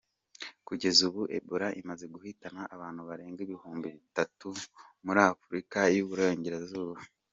Kugeza ubu Ebola imaze guhitana abantu barenga ibihumbi bitatu muri Afurika y’Uburengerazuba.